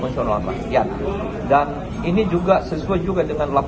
pelanggaran ham warga negara dalam penyelenggaraan pemilu dan ini semakin menyebabkan kekurangan akademis